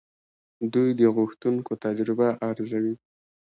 دوی د غوښتونکو تجربه ارزوي.